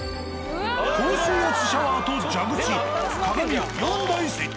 高水圧シャワーと蛇口鏡を４台設置。